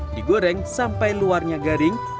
digoreng sampai luarnya garing